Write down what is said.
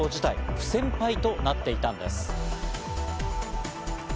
不戦敗となっていたんです。